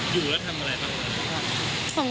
อยู่แล้วทำอะไรบ้าง